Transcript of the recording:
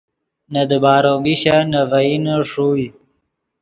نے دیبارو میشن نے ڤئینے ݰوئے